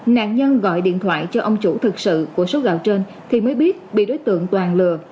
nạn nhân gọi điện thoại cho ông chủ thực sự của số gạo trên thì mới biết bị đối tượng toàn lừa